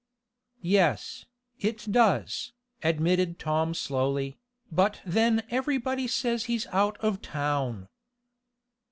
"Yes, it does," admitted Tom slowly, "but then everybody says he's out of town."